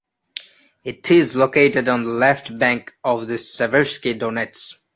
It is located on the left bank of the Seversky Donets.